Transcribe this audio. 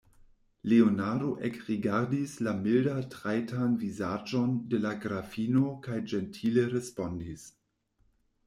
Leonardo ekrigardis la mildatrajtan vizaĝon de la grafino kaj ĝentile respondis: